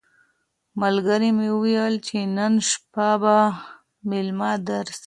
ملګري مي وویل چي نن شپه به مېلمه درسم.